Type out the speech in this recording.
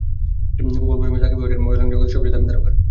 খুব অল্প সময়ে সাকিব হয়ে ওঠেন মডেলিং জগতের সবচেয়ে দামি তারকায়।